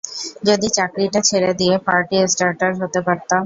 যদি চাকরিটা ছেড়ে দিয়ে পার্টি স্টার্টার হতে পারতাম।